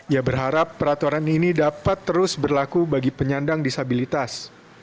ia berharap peraturan ini dapat terus berlaku bagi penyandang disabilitas